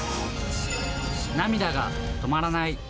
涙が止まらない。